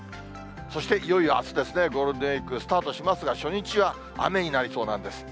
そしていよいよあすですね、ゴールデンウィークスタートしますが、初日は雨になりそうなんです。